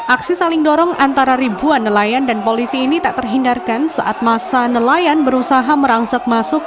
aksi saling dorong antara ribuan nelayan dan polisi ini tak terhindarkan saat masa nelayan berusaha merangset masuk